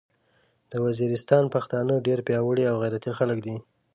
د ویزیریستان پختانه ډیر پیاوړي او غیرتي خلک دې